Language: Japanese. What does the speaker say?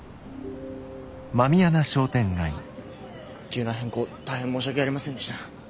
急な変更大変申し訳ありませんでした。